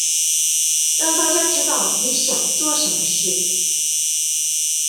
讓大家知道你想做什麼事